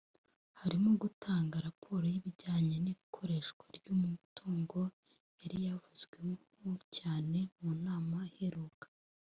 harimo gutanga raporo y’ibijyanye n’ikoreshwa ry’umutungo yari yavuzweho cyane mu nama iheruka